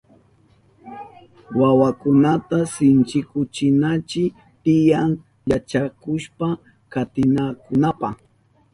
Wawakunata sinchikuchinanchi tiyan yachakushpa katinankunapa.